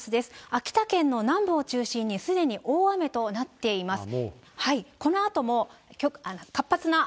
秋田県の南部を中心に、すでに大雨となっています。